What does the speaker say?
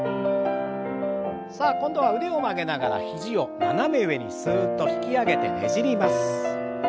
さあ今度は腕を曲げながら肘を斜め上にすっと引き上げてねじります。